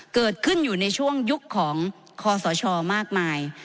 เกิดขึ้นอยู่ในช่วงยุคของคอสชมากมาย